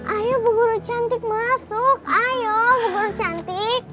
ayo bu guru cantik masuk ayo bu guru cantik